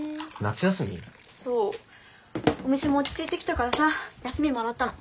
そうお店も落ち着いてきたからさ休みもらったの。